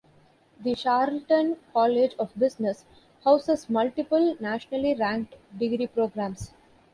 The Charlton College of Business houses multiple, nationally ranked degree programs.